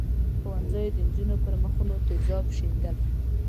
ښوونځیو د نجونو پر مخونو تېزاب شیندل.